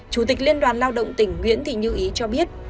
chủ tịch liên đoàn lao động tỉnh nguyễn thị như ý cho biết